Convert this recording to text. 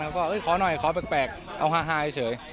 ก็ขอหน่อยขอแปลกเอาฮาเฉย